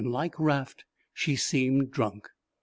Like Raft, she seemed drunk.